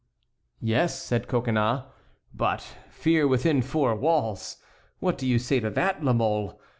"Yes," said Coconnas, "but fear within four walls—what do you say to that, La Mole?